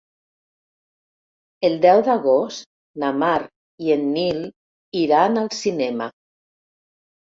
El deu d'agost na Mar i en Nil iran al cinema.